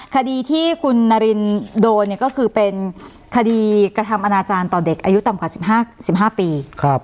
คดีที่คุณนารินโดนเนี้ยก็คือเป็นคดีกระทำอนาจารย์ตอนเด็กอายุต่ำกว่าสิบห้าสิบห้าปีครับ